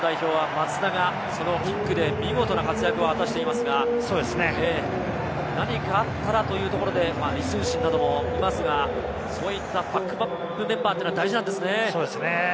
大西さん、日本代表は松田がそのキックで見事な活躍を果たしていますが、何かあったらというところで、李承信などもいますが、そういったバックアップメンバーも大事なんですね。